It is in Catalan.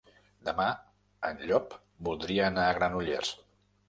Demà en Llop voldria anar a Granollers.